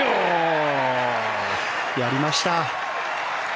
やりました！